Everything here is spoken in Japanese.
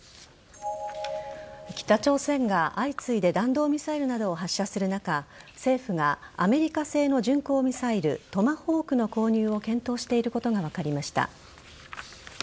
北朝鮮が相次いで弾道ミサイルなどを発射する中政府がアメリカ製の巡航ミサイルトマホークの購入を検討していることが分かりました。